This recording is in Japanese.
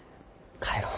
帰ろう。